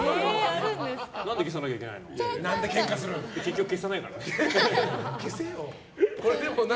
何で消さなきゃいけないのって消せよ。